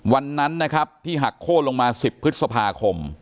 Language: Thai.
วันนั้นนะครับที่หักโค้นลงมา๑๐พฤษภาคม